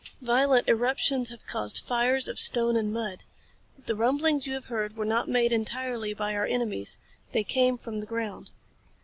Violent eruptions have caused fires of stone and mud. The rumblings you have heard were not made entirely by our enemies. They came from the ground.